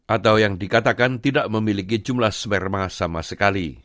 atau yang dikatakan tidak memiliki jumlah sperma sama sekali